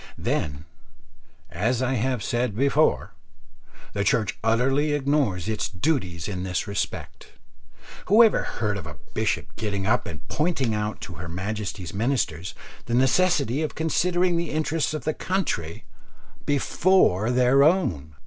Then, as I said before, the Church utterly ignores its duties in this respect. Who ever heard of a bishop getting up and pointing out to her Majesty's Ministers the necessity of considering the interests of the country before their own?